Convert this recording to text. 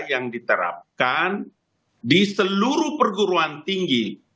yang diterapkan di seluruh perguruan tinggi